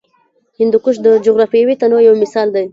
هندوکش د جغرافیوي تنوع یو مثال دی.